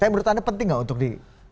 tapi menurut anda penting nggak untuk di